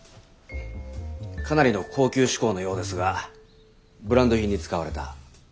かなりの高級志向のようですがブランド品に使われた？